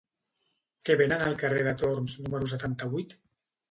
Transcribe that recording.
Què venen al carrer de Torns número setanta-vuit?